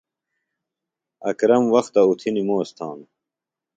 اکرم وختہ اُتھیۡ نِموس تھانوۡ۔